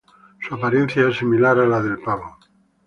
Su apariencia es similar a la del pavo.